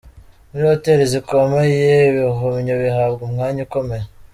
Muri hoteli zikomeye, ibihumyo bihabwa umwanya ukomeye.